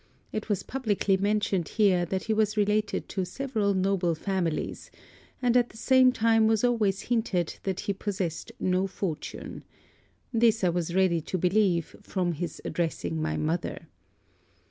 It was publicly mentioned here that he was related to several noble families; and at the same time was always hinted that he possessed no fortune. This I was ready to believe, from his addressing my mother.